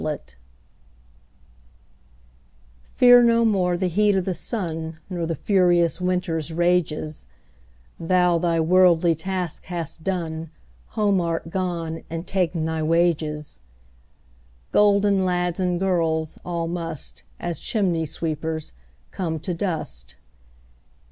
Fidele FEAR no more the heat o' the sunNor the furious winter's rages; Thou thy worldly task hast done, Home art gone and ta'en thy wages:Golden lads and girls all must, As chimney sweepers, come to dust.